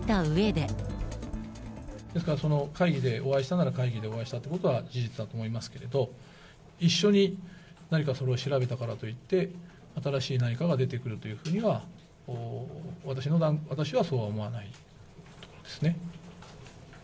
ですからその会議でお会いしたなら、その会議でお会いしたってことは事実だと思いますけれど、一緒に何かそれを調べたからといって、新しい何かが出てくるというふうには、私はそうは思わないですね。